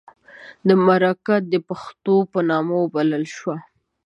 د مرکه د پښتو په نامه وبلله شوه.